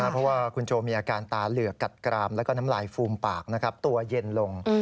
เพราะว่าคุณโจมีอาการตาเหลือกกัดกรามแล้วก็น้ำลายฟูมปากตัวเย็นลง